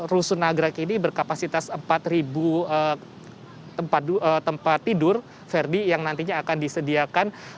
rusun nagrek ini berkapasitas empat tempat tidur verdi yang nantinya akan disediakan